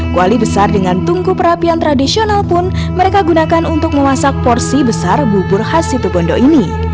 kuali besar dengan tungku perapian tradisional pun mereka gunakan untuk memasak porsi besar bubur khas situbondo ini